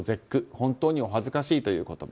本当にお恥ずかしいという言葉。